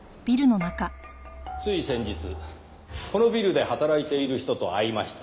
つい先日このビルで働いている人と会いました。